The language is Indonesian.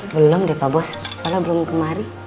belum deh pak bos soalnya belum kemari